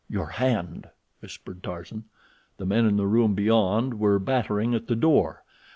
"Your hand," whispered Tarzan. The men in the room beyond were battering at the door.